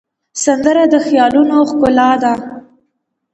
سندره د خیالونو ښکلا ده